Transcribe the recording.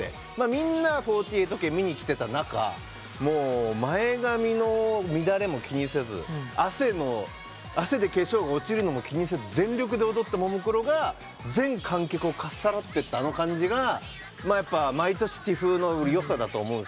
みんな４８系見に来てた中前髪の乱れも気にせず汗で化粧が落ちるのも気にせず全力で踊ったももクロが全観客をかっさらってったあの感じがＴＩＦのよさだと思うんですよ。